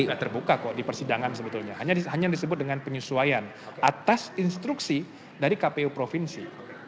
tidak terbuka kok di persidangan sebetulnya hanya disebut dengan penyesuaian atas instruksi dari kpu provinsi